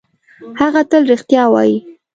هغه تل رښتیا وايي.